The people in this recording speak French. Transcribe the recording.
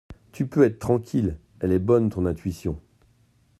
tu peux être tranquille. Elle est bonne, ton intuition.